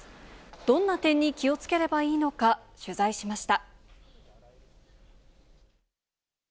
どんな点に気をつければいいのか、取材しました。